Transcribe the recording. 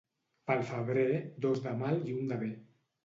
Pel febrer, dos de mal i un de bé.